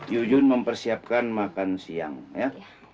jun yun mempersiapkan makan siang ya